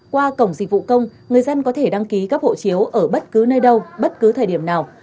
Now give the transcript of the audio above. qua cổng dịch vụ công người dân có thể đăng ký cấp hộ chiếu ở bất cứ nơi đâu bất cứ thời điểm nào